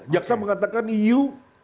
jaksa mengatakan you